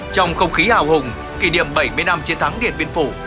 trong không khí hào hùng kỷ niệm bảy mươi năm chiến thắng điện biên phủ